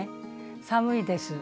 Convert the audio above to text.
寒いです。